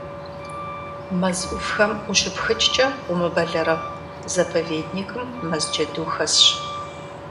Мэз Ӏувхэм ущыпхыкӀкӀэ умыбэлэрыгъ, заповедникым мэз джэду хэсщ.